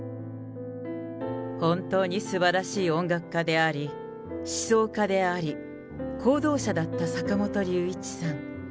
本当にすばらしい音楽家であり、思想家であり、行動者だった坂本龍一さん。